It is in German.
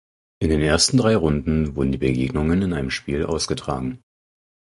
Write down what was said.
In den ersten drei Runden wurden die Begegnungen in einem Spiel ausgetragen.